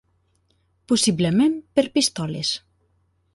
Possiblement per pistoles.